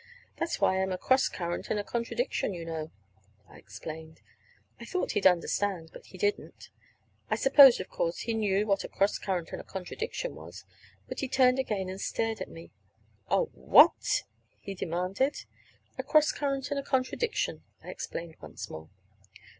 "That's why I'm a cross current and a contradiction, you know," I explained. I thought he'd understand. But he didn't. I supposed, of course, he knew what a cross current and a contradiction was. But he turned again and stared at me. "A what?" he demanded. "A cross current and a contradiction," I explained once more.